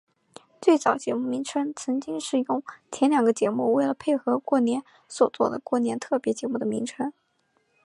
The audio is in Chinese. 最早节目名称曾经是用前两个节目为了配合过年所做的过年特别节目的名称。